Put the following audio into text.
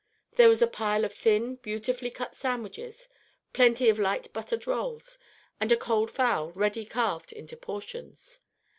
There was a pile of thin, beautifully cut sandwiches; plenty of light buttered rolls; and a cold fowl, ready carved into portions.